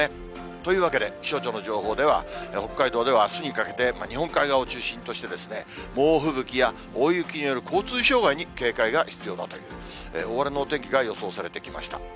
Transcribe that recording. というわけで、気象庁の情報では、北海道ではあすにかけて、日本海側を中心として、猛吹雪や大雪による交通障害に警戒が必要だという、大荒れのお天気が予想されてきました。